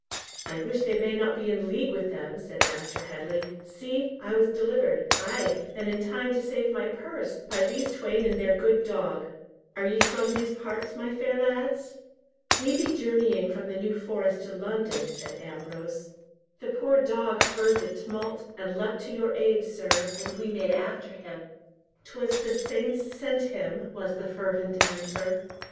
"I wish they may not be in league with them," said Master Headley. "See! I was delivered—ay, and in time to save my purse, by these twain and their good dog. Are ye from these parts, my fair lads?" "We be journeying from the New Forest to London," said Ambrose. "The poor dog heard the tumult, and leapt to your aid, sir, and we made after him." "'Twas the saints sent him!" was the fervent answer.